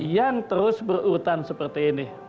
yang terus berurutan seperti ini